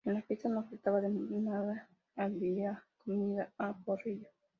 En la fiesta no faltaba de nada, había comida a porrillo